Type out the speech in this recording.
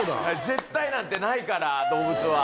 絶対なんてないから動物は。